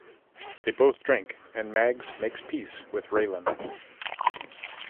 They both drink and Mags makes peace with Raylan.